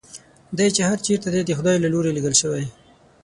دی چې هر چېرته دی د خدای له لوري لېږل شوی.